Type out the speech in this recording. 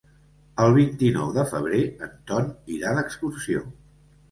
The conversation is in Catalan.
El vint-i-nou de febrer en Ton irà d'excursió.